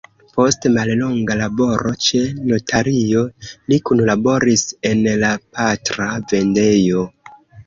Post mallonga laboro ĉe notario li kunlaboris en la patra vendejo.